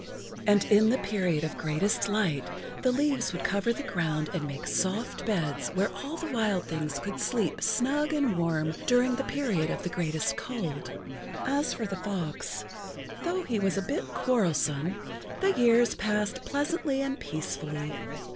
And in the Period of Greatest Light the leaves would cover the ground and make soft beds where all the wild things could sleep snug and warm during the Period of Greatest Cold. As for the fox, though he was a bit quarrelsome, the years passed pleasantly and peacefully.